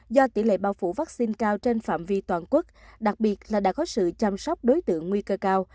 do tỷ lệ bao phủ vaccine cao trên phạm vi toàn quốc đặc biệt là đã có sự chăm sóc đối tượng nguy cơ cao